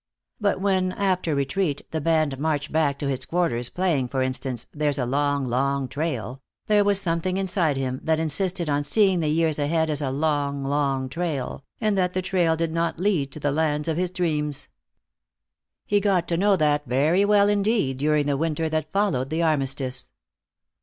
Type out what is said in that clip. But when, after retreat, the band marched back again to its quarters playing, for instance, "There's a Long, Long Trail," there was something inside him that insisted on seeing the years ahead as a long, long trail, and that the trail did not lead to the lands of his dreams. He got to know that very well indeed during the winter that followed the armistice.